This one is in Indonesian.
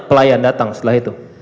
pelayan datang setelah itu